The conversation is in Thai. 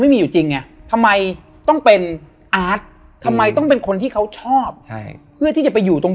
มีหนักกว่านี้อีกไหม